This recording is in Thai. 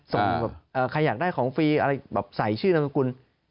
ใครอยากได้ของฟรีอะไรแบบใส่ชื่อนามสกุล